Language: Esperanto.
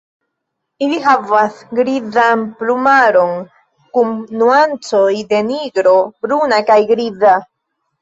Ili havas grizan plumaron kun nuancoj de nigro, bruna kaj griza.